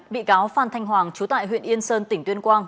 bị cáo phan thanh hoàng chú tại huyện yên sơn tỉnh tuyên quang